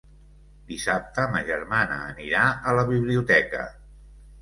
Dissabte ma germana anirà a la biblioteca.